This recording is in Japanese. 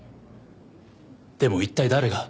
でも一体誰が？